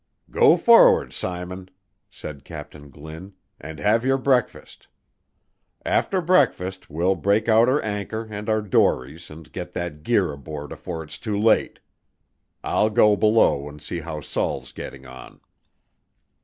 "Go for'ard, Simon," said Captain Glynn, "and have your breakfast. After breakfast we'll break out her anchor, and out dories and get that gear aboard afore it's too late. I'll go below and see how Saul's getting on."